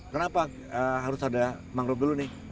kenapa harus ada mangrove dulu nih